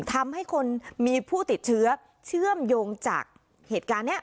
ทำให้คนมีผู้ติดเชื้อเชื่อมโยงจากเหตุการณ์นี้